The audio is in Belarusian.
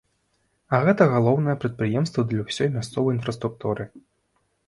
А гэта галоўныя прадпрыемствы для ўсёй мясцовай інфраструктуры.